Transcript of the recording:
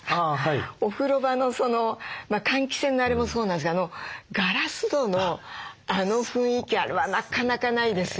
お風呂場の換気扇のあれもそうなんですけどガラス戸のあの雰囲気あれはなかなかないですよね。